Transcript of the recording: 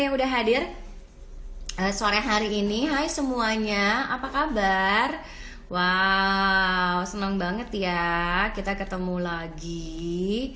yang udah hadir sore hari ini hai semuanya apa kabar wow senang banget ya kita ketemulah di video hari ini